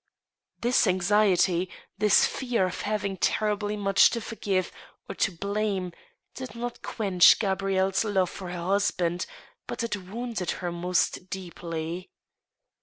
This anxiety, this fear of having terribly much to forgive or to blame, did not quench Gabrielle's love f^r her husband, but it wound ed her most deeply.